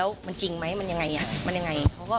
แล้วมันจริงไหมมันยังไงมันยังไง